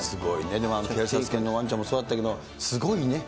でも警察犬のワンちゃんもそうだったけど、すごいね。